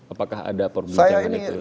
apakah ada perbincangan itu